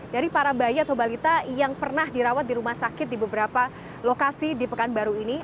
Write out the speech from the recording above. dari para bayi atau balita yang pernah dirawat di rumah sakit di beberapa lokasi di pekanbaru ini